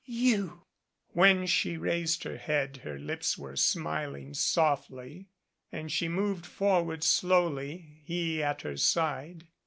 You!" When she raised her head her lips were smiling softly, and she moved forward slowly, he at her side.